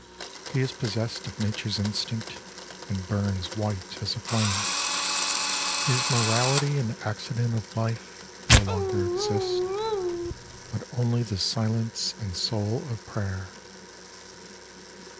He is possessed of Nature's instinct, And burns white as a flame ; His morality and accident of life No longer exist, But only the silence and soul of prayer.